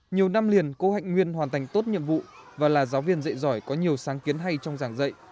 nhiều năm liền cô hạnh nguyên hoàn thành tốt nhiệm vụ và là giáo viên dạy giỏi có nhiều sáng kiến hay trong giảng dạy